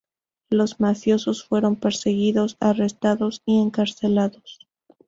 Los mafiosos fueron perseguidos, arrestados y encarcelados.